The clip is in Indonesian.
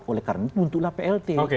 oleh karena itu muncullah plt